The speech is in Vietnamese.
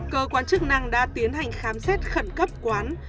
cơ quan chức năng đã tiến hành khám xét khẩn cấp quán